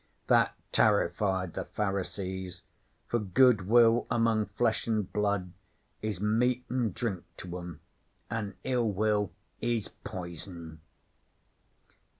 That tarrified the Pharisees: for Goodwill among Flesh an' Blood is meat an' drink to 'em, an' ill will is poison.'